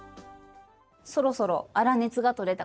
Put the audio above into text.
そろそろ粗熱が取れたかな。